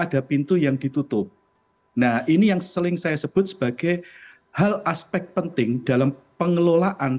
ada pintu yang ditutup nah ini yang sering saya sebut sebagai hal aspek penting dalam pengelolaan